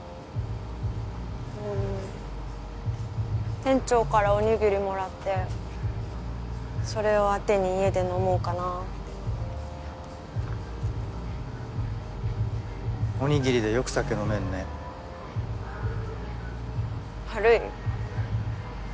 うん店長からおにぎりもらってそれをアテに家で飲もうかなっておにぎりでよく酒飲めんね悪い？